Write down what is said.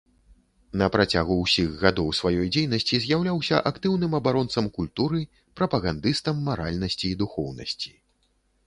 На працягу ўсіх гадоў сваёй дзейнасці з'яўляўся актыўным абаронцам культуры, прапагандыстам маральнасці і духоўнасці.